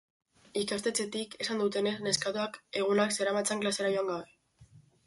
Ikastetxetik esan dutenez, neskatoak egunak zeramatzan klasera joan gabe.